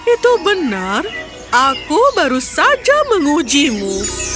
itu benar aku baru saja mengujimu